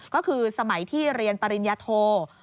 ก็คือสมัยที่เรียนปริญญาโท